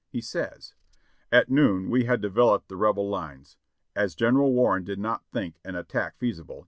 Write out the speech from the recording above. He says : "At noon we had developed the Rebel lines. As General Warren did not think an attack feasible.